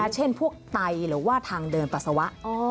เช่นพวกไตหรือว่าทางเดินปัสสาวะ